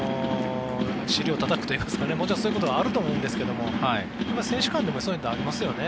尻をたたくといいますかそういうことはあると思うんですが選手間でもそういうのってありますよね。